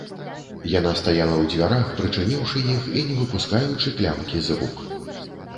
Яна стаяла ў дзвярах, прычыніўшы іх і не выпускаючы клямкі з рук.